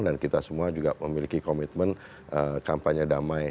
dan kita semua juga memiliki komitmen kampanye damai